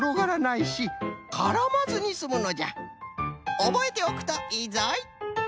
おぼえておくといいぞい。